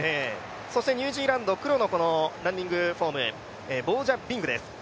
そしてニュージーランド、黒のランニングフォーム、ポージャ・ビングです。